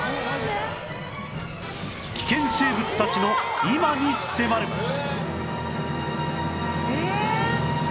危険生物たちの今に迫る！ええーっ！